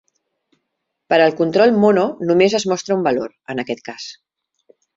Per al control mono, només es mostra un valor, en aquest cas.